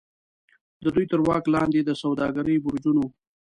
د دوی تر واک لاندې د سوداګرۍ برجونو.